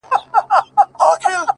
سپينه خولگۍ راپسي مه ږغوه’